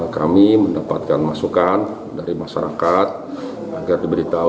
kami mendapatkan masukan dari masyarakat agar diberitahu